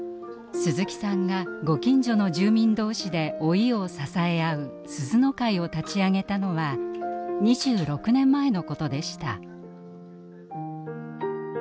鈴木さんがご近所の住民同士で老いを支え合うすずの会を立ち上げたのは２６年前のことでした。